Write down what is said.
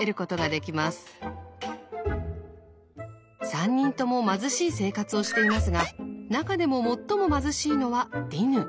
３人とも貧しい生活をしていますが中でも最も貧しいのはディヌ。